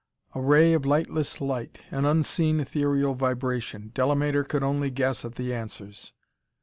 A ray of lightless light an unseen ethereal vibration.... Delamater could only guess at the answers.